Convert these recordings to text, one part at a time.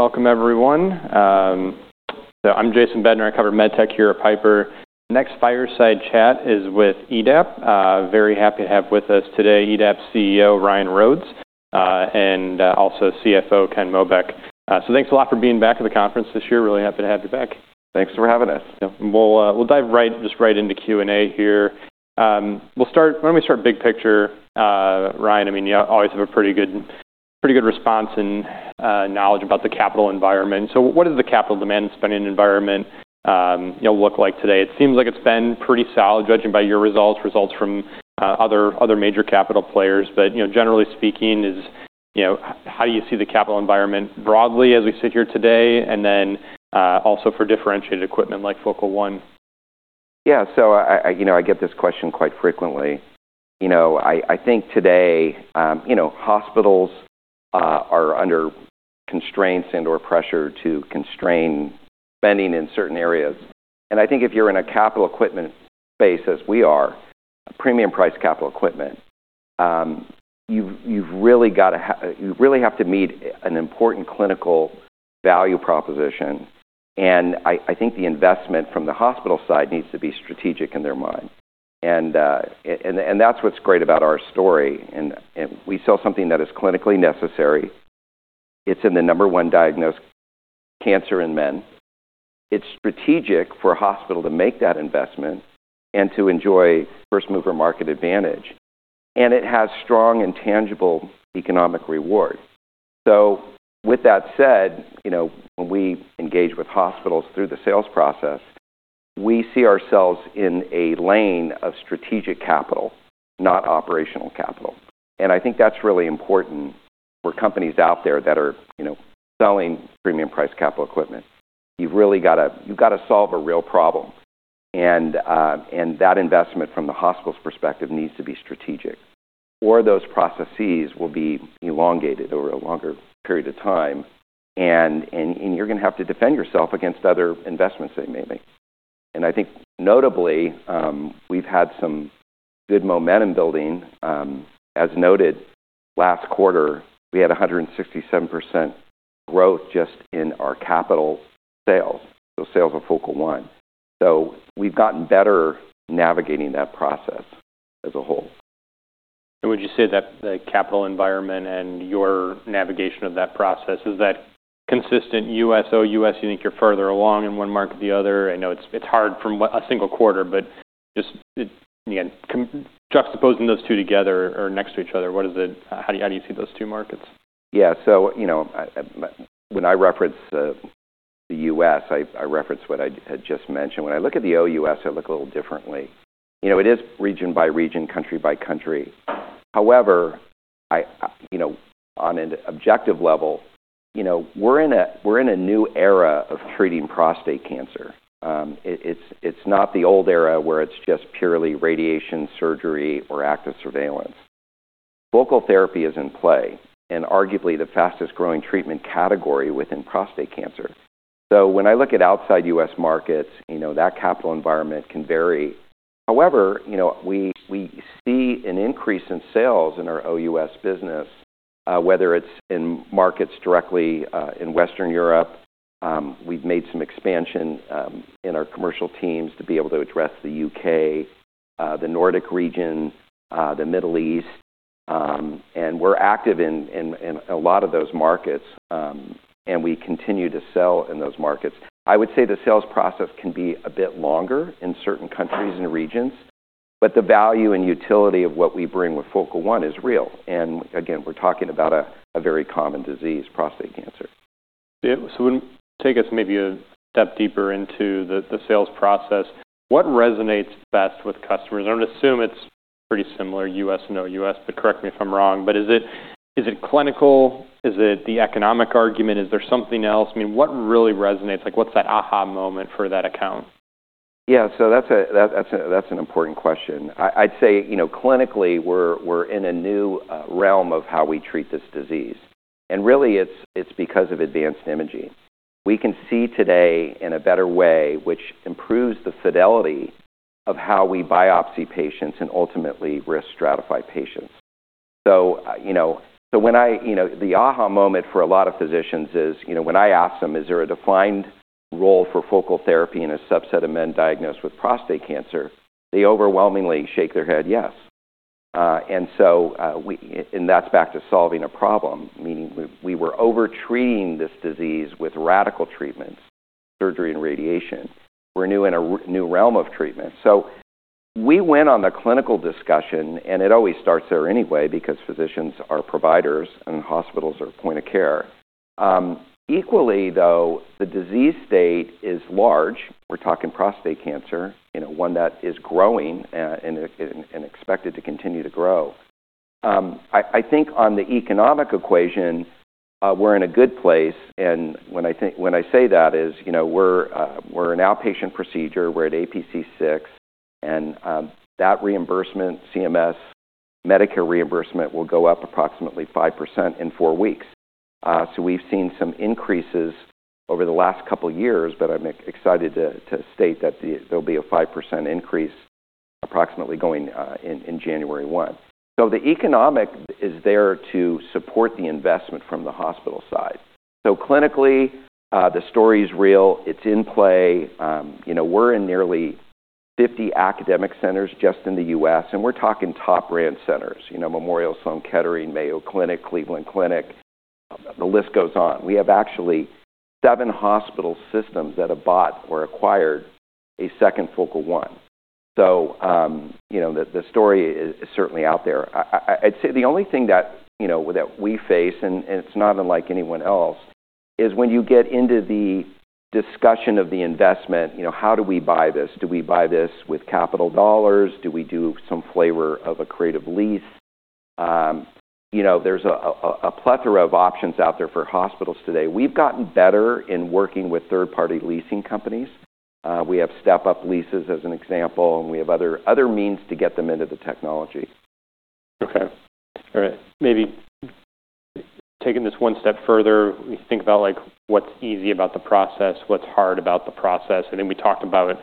All right. Welcome, everyone. I'm Jason Bednar. I cover MedTech here at Piper. Next fireside chat is with EDAP. Very happy to have with us today EDAP CEO Ryan Rhodes, and also CFO Ken Mobeck. Thanks a lot for being back at the conference this year. Really happy to have you back. Thanks for having us. Yeah. We'll dive right, just right into Q&A here. We'll start—why don't we start big picture? Ryan, I mean, you always have a pretty good, pretty good response and knowledge about the capital environment. So what is the capital demand and spending environment, you know, look like today? It seems like it's been pretty solid, judging by your results, results from other, other major capital players. But, you know, generally speaking, is, you know, how do you see the capital environment broadly as we sit here today? And then, also for differentiated equipment like Focal One. Yeah. I, you know, I get this question quite frequently. You know, I think today, you know, hospitals are under constraints and/or pressure to constrain spending in certain areas. I think if you're in a capital equipment space, as we are, premium price capital equipment, you really have to meet an important clinical value proposition. I think the investment from the hospital side needs to be strategic in their mind. That's what's great about our story. We sell something that is clinically necessary. It's in the number one diagnosed cancer in men. It's strategic for a hospital to make that investment and to enjoy first mover market advantage. It has strong and tangible economic reward. With that said, you know, when we engage with hospitals through the sales process, we see ourselves in a lane of strategic capital, not operational capital. I think that's really important for companies out there that are, you know, selling premium price capital equipment. You've really gotta—you've gotta solve a real problem. That investment from the hospital's perspective needs to be strategic. Those processes will be elongated over a longer period of time, and you're gonna have to defend yourself against other investments they may make. I think notably, we've had some good momentum building. As noted, last quarter, we had 167% growth just in our capital sales, the sales of Focal One. We've gotten better navigating that process as a whole. Would you say that the capital environment and your navigation of that process, is that consistent U.S., OUS? You think you're further along in one market than the other? I know it's hard from a single quarter, but just, you know, juxtaposing those two together or next to each other, what is it? How do you—how do you see those two markets? Yeah. You know, I, I when I reference the U.S., I reference what I had just mentioned. When I look at the OUS, I look a little differently. You know, it is region by region, country by country. However, I, you know, on an objective level, you know, we're in a—we're in a new era of treating prostate cancer. It's not the old era where it's just purely radiation, surgery, or active surveillance. Focal therapy is in play and arguably the fastest growing treatment category within prostate cancer. When I look at outside U.S. markets, you know, that capital environment can vary. However, you know, we see an increase in sales in our OUS business, whether it's in markets directly, in Western Europe. We've made some expansion in our commercial teams to be able to address the U.K., the Nordic region, the Middle East. We're active in a lot of those markets, and we continue to sell in those markets. I would say the sales process can be a bit longer in certain countries and regions, but the value and utility of what we bring with Focal One is real. Again, we're talking about a very common disease, prostate cancer. Yeah. Take us maybe a step deeper into the sales process. What resonates best with customers? I would assume it's pretty similar, U.S. and OUS, but correct me if I'm wrong. Is it clinical? Is it the economic argument? Is there something else? I mean, what really resonates? Like, what's that aha moment for that account? Yeah. That's an important question. I'd say, you know, clinically, we're in a new realm of how we treat this disease. Really, it's because of advanced imaging. We can see today in a better way, which improves the fidelity of how we biopsy patients and ultimately risk stratify patients. You know, the aha moment for a lot of physicians is, you know, when I ask them, is there a defined role for Focal therapy in a subset of men diagnosed with prostate cancer, they overwhelmingly shake their head, yes. That's back to solving a problem, meaning we were overtreating this disease with radical treatments, surgery, and radiation. We're in a new realm of treatment. We went on the clinical discussion, and it always starts there anyway because physicians are providers and hospitals are point of care. Equally though, the disease state is large. We're talking prostate cancer, you know, one that is growing, and, and, and expected to continue to grow. I think on the economic equation, we're in a good place. And when I say that is, you know, we're, we're an outpatient procedure. We're at APC 6. That reimbursement, CMS, Medicare reimbursement will go up approximately 5% in four weeks. We have seen some increases over the last couple of years, but I'm excited to state that there will be a 5% increase approximately going in, in January 1. The economic is there to support the investment from the hospital side. Clinically, the story's real. It's in play. You know, we're in nearly 50 academic centers just in the U.S., and we're talking top brand centers, you know, Memorial Sloan Kettering, Mayo Clinic, Cleveland Clinic, the list goes on. We have actually seven hospital systems that have bought or acquired a second Focal One. You know, the story is certainly out there. I'd say the only thing that, you know, that we face, and it's not unlike anyone else, is when you get into the discussion of the investment, you know, how do we buy this? Do we buy this with capital dollars? Do we do some flavor of a creative lease? You know, there's a plethora of options out there for hospitals today. We've gotten better in working with third-party leasing companies. We have step-up leases as an example, and we have other means to get them into the technology. Okay. All right. Maybe taking this one step further, we think about, like, what's easy about the process, what's hard about the process. We talked about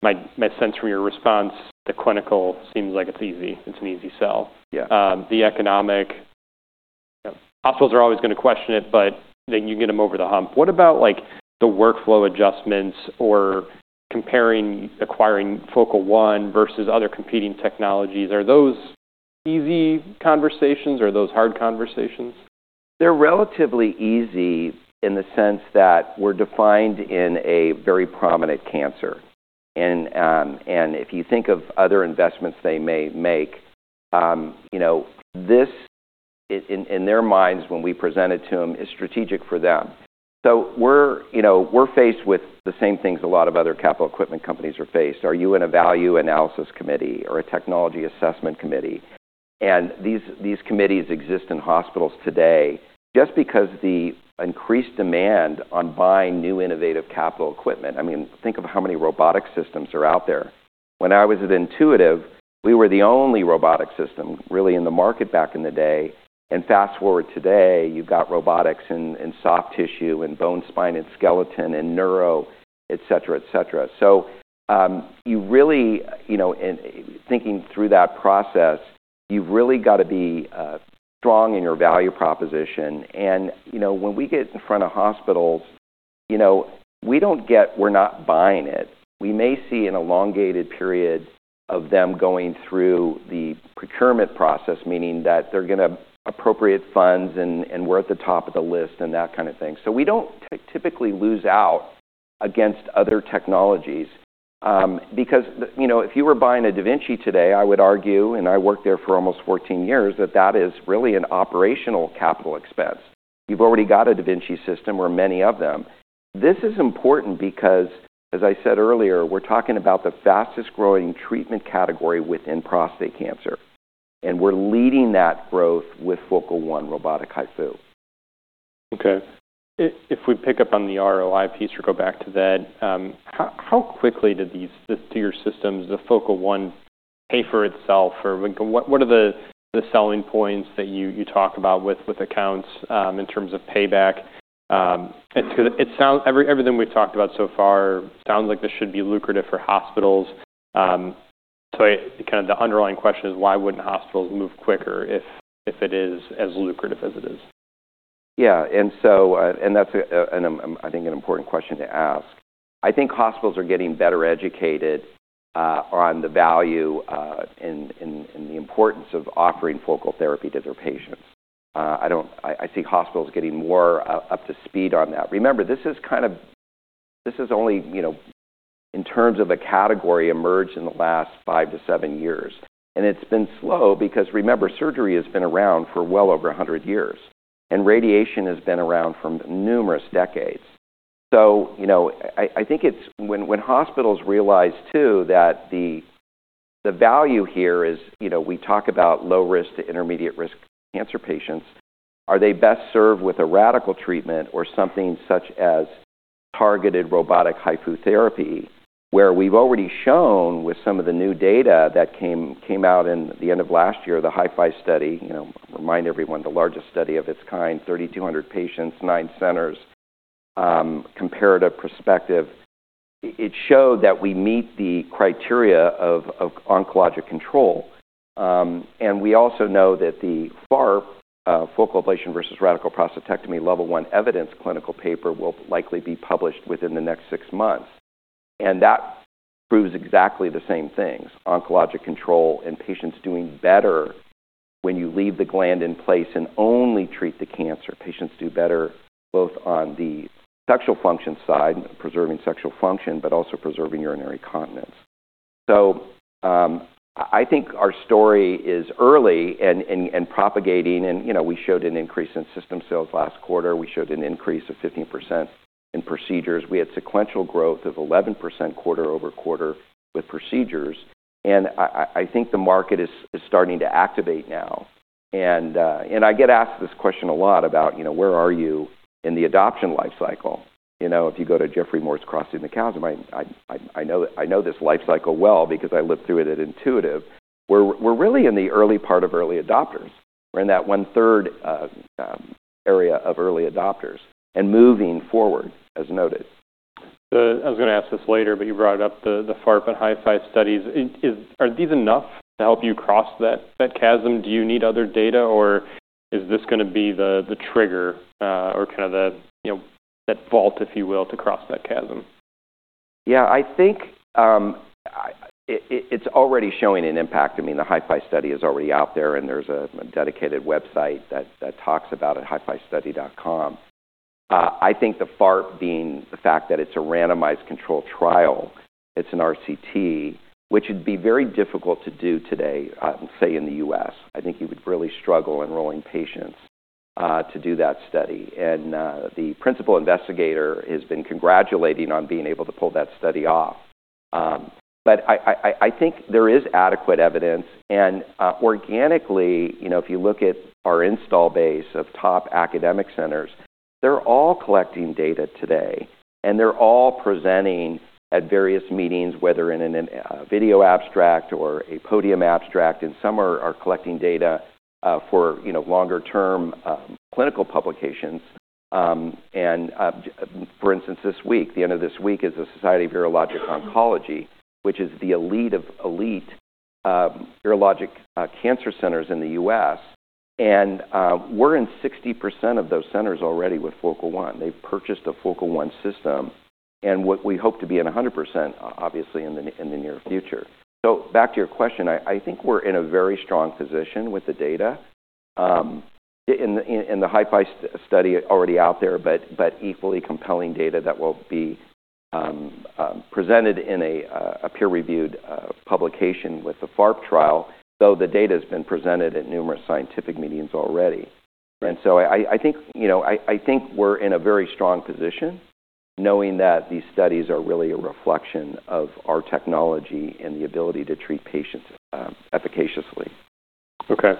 my sense from your response, the clinical seems like it's easy. It's an easy sell. Yeah. The economic, hospitals are always gonna question it, but then you get them over the hump. What about, like, the workflow adjustments or comparing, acquiring Focal One versus other competing technologies? Are those easy conversations or are those hard conversations? They're relatively easy in the sense that we're defined in a very prominent cancer. And if you think of other investments they may make, you know, this, in their minds, when we present it to them, is strategic for them. So we're, you know, we're faced with the same things a lot of other capital equipment companies are faced. Are you in a Value Analysis Committee or a technology assessment committee? And these, these committees exist in hospitals today just because the increased demand on buying new innovative capital equipment—I mean, think of how many robotic systems are out there. When I was at Intuitive, we were the only robotic system really in the market back in the day. And fast forward today, you've got robotics in, in soft tissue and bone spine and skeleton and neuro, etc., etc. You really, you know, in thinking through that process, you've really gotta be strong in your value proposition. You know, when we get in front of hospitals, you know, we don't get—we're not buying it. We may see an elongated period of them going through the procurement process, meaning that they're gonna appropriate funds and we're at the top of the list and that kind of thing. We don't typically lose out against other technologies, because, you know, if you were buying a da Vinci today, I would argue, and I worked there for almost 14 years, that that is really an operational capital expense. You've already got a da Vinci system or many of them. This is important because, as I said earlier, we're talking about the fastest growing treatment category within prostate cancer. We're leading that growth with Focal One robotic HIFU. Okay. If we pick up on the ROI piece or go back to that, how quickly did these—this to your systems, the Focal One pay for itself? Or what are the selling points that you talk about with accounts, in terms of payback? It sounds—everything we've talked about so far sounds like this should be lucrative for hospitals. Kind of the underlying question is, why wouldn't hospitals move quicker if it is as lucrative as it is? Yeah. That's an important question to ask. I think hospitals are getting better educated on the value and the importance of offering Focal therapy to their patients. I see hospitals getting more up to speed on that. Remember, this is kind of—this is only, you know, in terms of a category, emerged in the last five to seven years. It's been slow because, remember, surgery has been around for well over 100 years, and radiation has been around for numerous decades. You know, I think it's when hospitals realize too that the value here is, you know, we talk about low risk to intermediate risk cancer patients. Are they best served with a radical treatment or something such as targeted robotic HIFU therapy where we've already shown with some of the new data that came out in the end of last year, the HIFI Study, you know, remind everyone, the largest study of its kind, 3,200 patients, nine centers, comparative perspective. It showed that we meet the criteria of oncologic control. We also know that the FARP, Focal Ablation versus Radical Prostatectomy Level One Evidence clinical paper will likely be published within the next six months. That proves exactly the same things: oncologic control and patients doing better when you leave the gland in place and only treat the cancer. Patients do better both on the sexual function side, preserving sexual function, but also preserving urinary continence. I think our story is early and propagating. You know, we showed an increase in system sales last quarter. We showed an increase of 15% in procedures. We had sequential growth of 11% quarter over quarter with procedures. I think the market is starting to activate now. I get asked this question a lot about, you know, where are you in the adoption life cycle? You know, if you go to Geoffrey Moore's Crossing the Chasm, I know this life cycle well because I lived through it at Intuitive. We are really in the early part of early adopters. We are in that one-third area of early adopters and moving forward as noted. I was gonna ask this later, but you brought it up, the FARP and HIFI studies. Is, is are these enough to help you cross that chasm? Do you need other data or is this gonna be the trigger, or kind of the, you know, that vault, if you will, to cross that chasm? Yeah. I think it's already showing an impact. I mean, the HIFI Study is already out there and there's a dedicated website that talks about it, hifistudy.com. I think the FARP, being the fact that it's a randomized control trial, it's an RCT, which would be very difficult to do today, say in the U.S. I think you would really struggle enrolling patients to do that study. The principal investigator has been congratulated on being able to pull that study off. I think there is adequate evidence. Organically, you know, if you look at our install base of top academic centers, they're all collecting data today and they're all presenting at various meetings, whether in a video abstract or a podium abstract. Some are collecting data for longer-term clinical publications. For instance, this week, the end of this week is the Society of Urologic Oncology, which is the elite of elite urologic cancer centers in the U.S. We're in 60% of those centers already with Focal One. They've purchased a Focal One system and we hope to be in 100%, obviously, in the near future. Back to your question, I think we're in a very strong position with the data, in the HiFi study already out there, but equally compelling data that will be presented in a peer-reviewed publication with the FARP trial, though the data has been presented at numerous scientific meetings already. I think, you know, I think we're in a very strong position knowing that these studies are really a reflection of our technology and the ability to treat patients, efficaciously. Okay.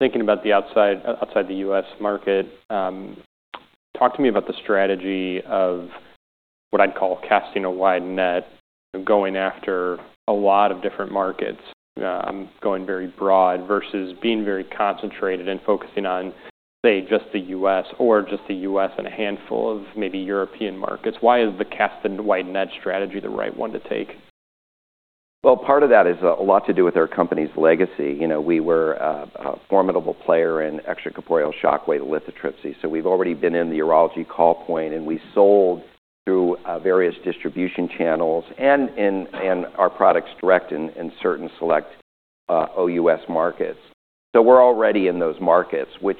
Thinking about the outside, outside the U.S. market, talk to me about the strategy of what I'd call casting a wide net, going after a lot of different markets, going very broad versus being very concentrated and focusing on, say, just the U.S. or just the U.S. and a handful of maybe European markets. Why is the casting wide net strategy the right one to take? Part of that is a lot to do with our company's legacy. You know, we were a formidable player in extracorporeal shock wave lithotripsy. So we've already been in the urology call point and we sold through various distribution channels and in our products direct in certain select OUS markets. So we're already in those markets, which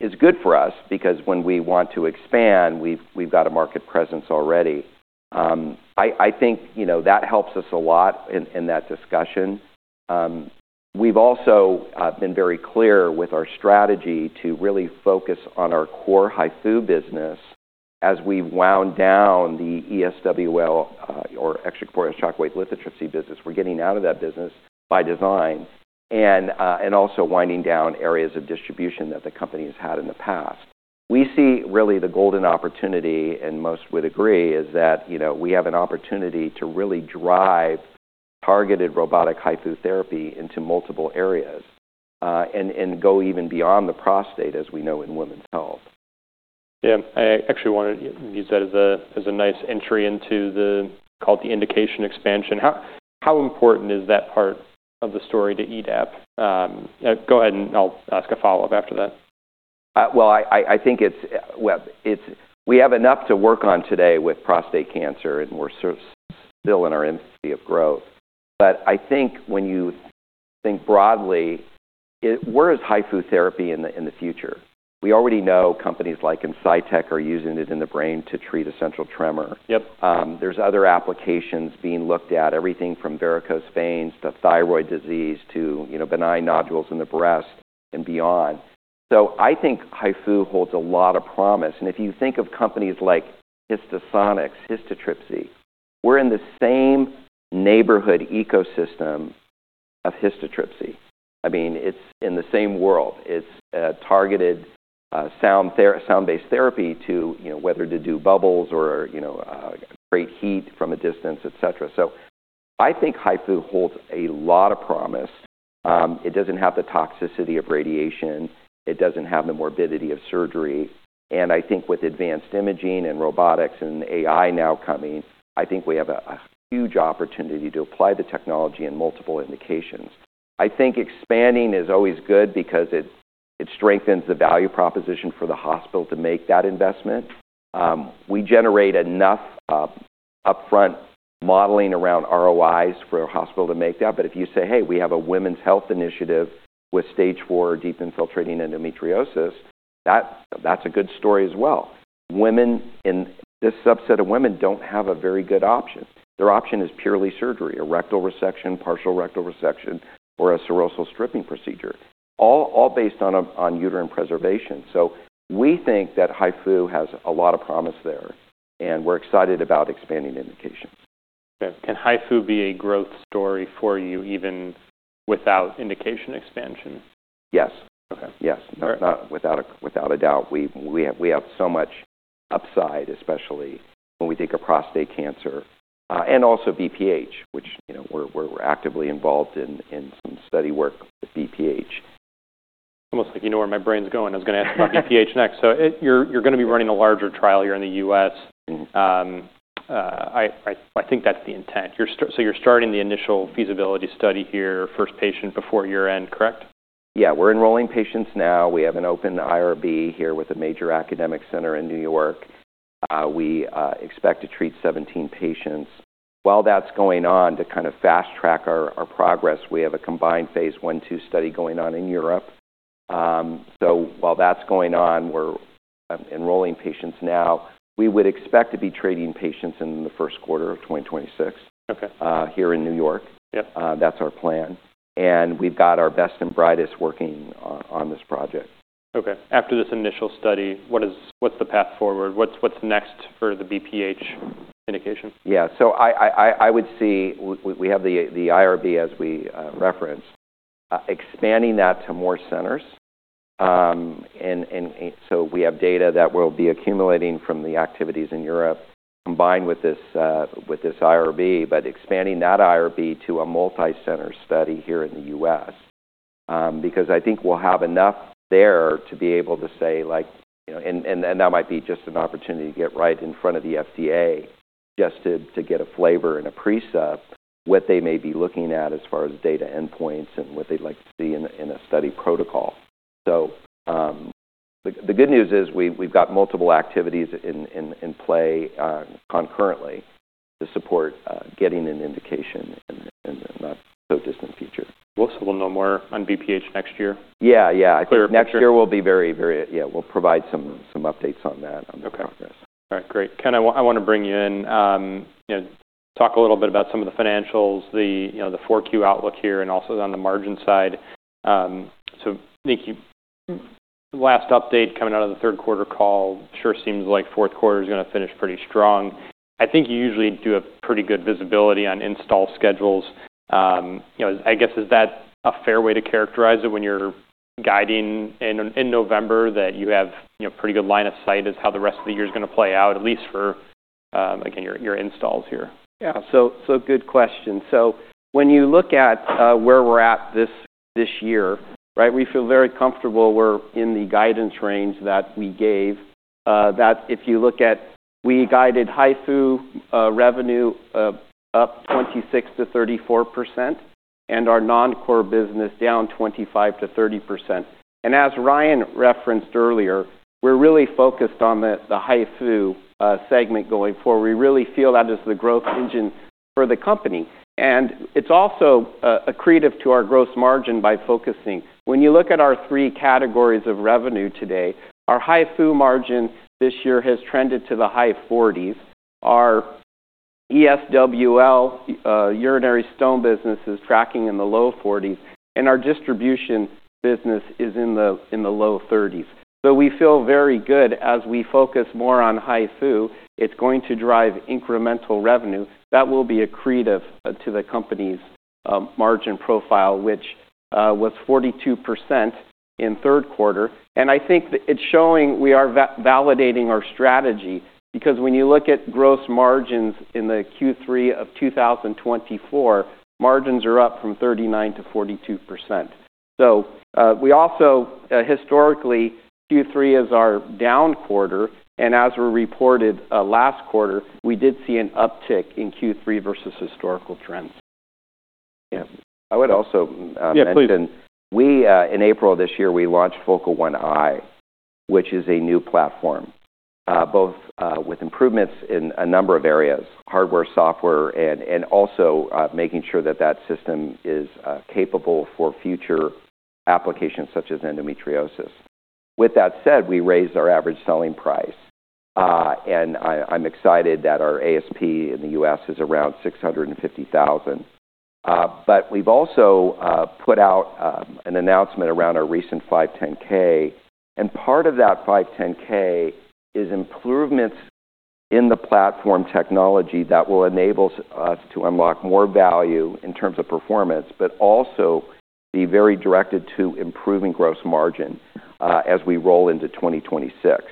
is good for us because when we want to expand, we've got a market presence already. I think, you know, that helps us a lot in that discussion. We've also been very clear with our strategy to really focus on our core HIFU business as we've wound down the ESWL, or extracorporeal shock wave lithotripsy business. We're getting out of that business by design and also winding down areas of distribution that the company has had in the past. We see really the golden opportunity, and most would agree, is that, you know, we have an opportunity to really drive targeted robotic HIFU therapy into multiple areas, and go even beyond the prostate as we know in women's health. Yeah. I actually wanted, you said it's a, it's a nice entry into the, called the indication expansion. How important is that part of the story to EDAP? Go ahead and I'll ask a follow-up after that. I think it's, well, we have enough to work on today with prostate cancer and we're still in our infancy of growth. I think when you think broadly, where is HIFU therapy in the future? We already know companies like Insightec are using it in the brain to treat essential tremor. Yep. There's other applications being looked at, everything from varicose veins to thyroid disease to, you know, benign nodules in the breast and beyond. I think HIFU holds a lot of promise. If you think of companies like HistoSonics, histotripsy, we're in the same neighborhood ecosystem of histotripsy. I mean, it's in the same world. It's targeted, sound therapy, sound-based therapy to, you know, whether to do bubbles or, you know, create heat from a distance, etc. I think HIFU holds a lot of promise. It doesn't have the toxicity of radiation. It doesn't have the morbidity of surgery. I think with advanced imaging and robotics and AI now coming, I think we have a huge opportunity to apply the technology in multiple indications. I think expanding is always good because it strengthens the value proposition for the hospital to make that investment. We generate enough, upfront modeling around ROIs for a hospital to make that. If you say, "Hey, we have a women's health initiative with stage four deep infiltrating endometriosis," that, that's a good story as well. Women in this subset of women don't have a very good option. Their option is purely surgery, a rectal resection, partial rectal resection, or a serosal stripping procedure, all based on uterine preservation. We think that HIFU has a lot of promise there and we're excited about expanding indications. Okay. Can HIFU be a growth story for you even without indication expansion? Yes. Okay. Yes. All right. Not, not without a doubt. We have so much upside, especially when we think of prostate cancer, and also BPH, which, you know, we're actively involved in some study work with BPH. Almost like, you know where my brain's going. I was gonna ask about BPH next. You're, you're gonna be running a larger trial here in the U.S. Mm-hmm. I think that's the intent. You're starting the initial feasibility study here, first patient before year end, correct? Yeah. We're enrolling patients now. We have an open IRB here with a major academic center in New York. We expect to treat 17 patients. While that's going on, to kind of fast track our progress, we have a combined phase I/II study going on in Europe. While that's going on, we're enrolling patients now. We would expect to be treating patients in the first quarter of 2026. Okay. here in New York. Yep. That's our plan. We've got our best and brightest working on this project. Okay. After this initial study, what is, what's the path forward? What's next for the BPH indication? Yeah. I would see we have the IRB as we referenced, expanding that to more centers, and so we have data that we'll be accumulating from the activities in Europe combined with this IRB, but expanding that IRB to a multi-center study here in the U.S., because I think we'll have enough there to be able to say, like, you know, and that might be just an opportunity to get right in front of the FDA just to get a flavor and a preset what they may be looking at as far as data endpoints and what they'd like to see in a study protocol. The good news is we've got multiple activities in play, concurrently to support getting an indication in the not so distant future. We'll know more on BPH next year. Yeah. Yeah. I think next year will be very, very, yeah, we'll provide some updates on that, on the progress. Okay. All right. Great. Ken, I want, I wanna bring you in, you know, talk a little bit about some of the financials, the, you know, the fourth quarter outlook here and also on the margin side. Thank you. Last update coming out of the third quarter call sure seems like fourth quarter's gonna finish pretty strong. I think you usually do a pretty good visibility on install schedules. You know, is, I guess, is that a fair way to characterize it when you're guiding in, in November that you have, you know, pretty good line of sight as how the rest of the year's gonna play out, at least for, again, your, your installs here? Yeah. Good question. When you look at where we're at this year, right, we feel very comfortable we're in the guidance range that we gave, that if you look at, we guided HIFU revenue up 26%-34% and our non-core business down 25-30%. As Ryan referenced earlier, we're really focused on the HIFU segment going forward. We really feel that is the growth engine for the company. It's also accretive to our gross margin by focusing. When you look at our three categories of revenue today, our HIFU margin this year has trended to the high forties. Our ESWL urinary stone business is tracking in the low 40s, and our distribution business is in the low 30s. We feel very good as we focus more on HIFU. It's going to drive incremental revenue that will be accretive to the company's margin profile, which was 42% in third quarter. I think it's showing we are validating our strategy because when you look at gross margins in the Q3 of 2024, margins are up from 39%-42%. We also, historically, Q3 is our down quarter. As we reported last quarter, we did see an uptick in Q3 versus historical trends. Yeah. I would also mention. Yeah. Please. In April of this year, we launched Focal One Eye, which is a new platform, both with improvements in a number of areas, hardware, software, and also making sure that that system is capable for future applications such as endometriosis. With that said, we raised our average selling price. I am excited that our ASP in the U.S. is around $650,000. We have also put out an announcement around our recent 510(k). Part of that 510(k) is improvements in the platform technology that will enable us to unlock more value in terms of performance, but also be very directed to improving gross margin as we roll into 2026.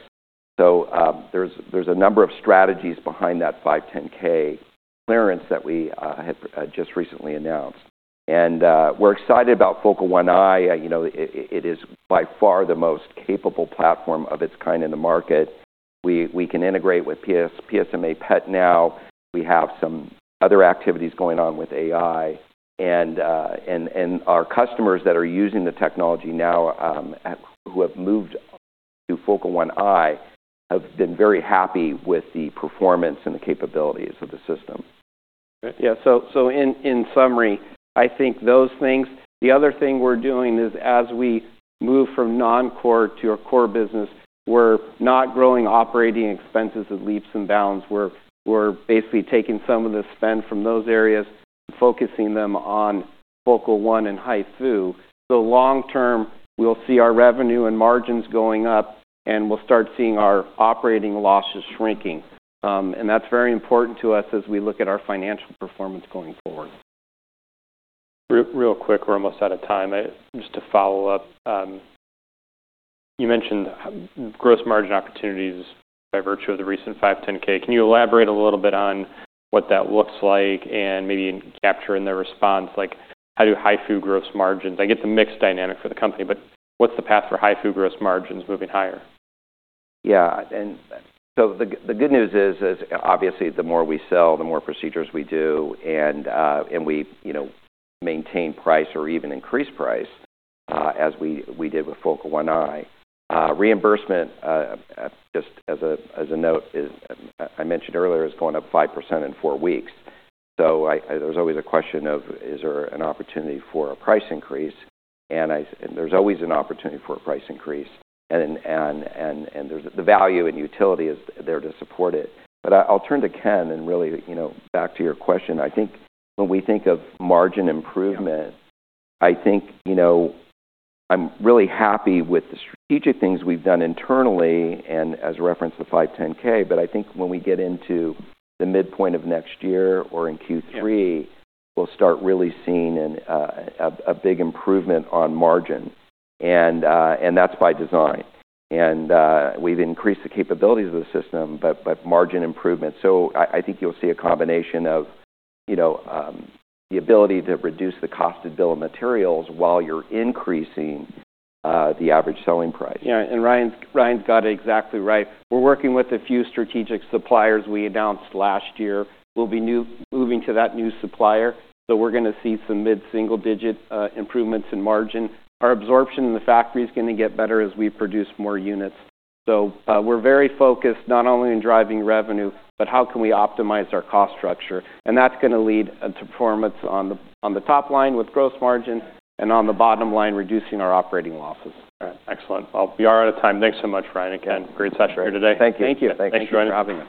There are a number of strategies behind that 510(k) clearance that we had just recently announced. We are excited about Focal One Eye. You know, it is by far the most capable platform of its kind in the market. We can integrate with PSMA PET now. We have some other activities going on with AI. Our customers that are using the technology now, who have moved to Focal One, have been very happy with the performance and the capabilities of the system. Great. Yeah. In summary, I think those things, the other thing we're doing is as we move from non-core to our core business, we're not growing operating expenses at leaps and bounds. We're basically taking some of the spend from those areas, focusing them on Focal One and HIFU. Long term, we'll see our revenue and margins going up, and we'll start seeing our operating losses shrinking. That's very important to us as we look at our financial performance going forward. Real quick, we're almost out of time. I just to follow up, you mentioned gross margin opportunities by virtue of the recent 510(k). Can you elaborate a little bit on what that looks like and maybe capturing the response, like how do HIFU gross margins? I get the mixed dynamic for the company, but what's the path for HIFU gross margins moving higher? Yeah. The good news is, obviously, the more we sell, the more procedures we do. We, you know, maintain price or even increase price, as we did with Focal One. Reimbursement, just as a note, I mentioned earlier, is going up 5% in four weeks. There's always a question of is there an opportunity for a price increase? There's always an opportunity for a price increase, and the value and utility is there to support it. I'll turn to Ken and really, you know, back to your question. I think when we think of margin improvement, I think, you know, I'm really happy with the strategic things we've done internally and as referenced, the 510(k). I think when we get into the midpoint of next year or in Q3, we'll start really seeing a big improvement on margin. That's by design. We've increased the capabilities of the system, but margin improvement. I think you'll see a combination of, you know, the ability to reduce the cost of bill of materials while you're increasing the average selling price. Yeah. Ryan's got it exactly right. We're working with a few strategic suppliers we announced last year. We'll be moving to that new supplier. We're gonna see some mid-single digit improvements in margin. Our absorption in the factory is gonna get better as we produce more units. We're very focused not only on driving revenue, but how can we optimize our cost structure? That's gonna lead to performance on the top line with gross margin and on the bottom line reducing our operating losses. All right. Excellent. We are out of time. Thanks so much, Ryan. Again, great session here today. Thank you. Thank you. Thanks for having me. Thanks for joining us.